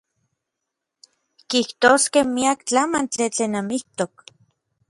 Kijtoskej miak tlamantli tlen amijtok.